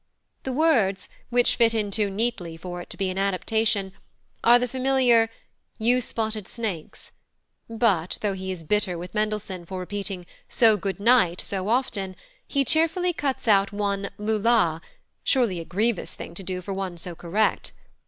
The words, which fit in too neatly for it to be an adaptation, are the familiar "You spotted snakes"; but, though he is bitter with Mendelssohn for repeating "so good night" so often, he cheerfully cuts out one "lul la," surely a grievous thing to do for one so correct!